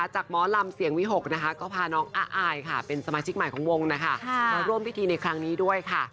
หมอลำเสียงวิหกนะคะก็พาน้องอ้าอายค่ะเป็นสมาชิกใหม่ของวงนะคะมาร่วมพิธีในครั้งนี้ด้วยค่ะ